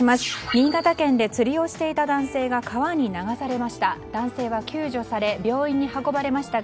新潟県で釣りをしていた男性が川に流されました。